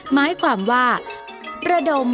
หมายความว่าระดมประคมกลองด้วยเสียงพาดเสียงผิน